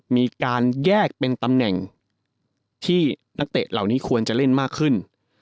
มีการแยกเป็นตำแหน่งที่นักเตะเหล่านี้ควรจะเล่นมากขึ้น